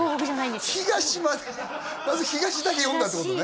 東までまず東だけ読んだってことね？